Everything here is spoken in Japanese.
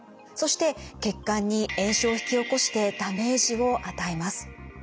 そして血管に炎症を引き起こしてダメージを与えます。